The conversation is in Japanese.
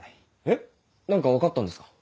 えっ何か分かったんですか？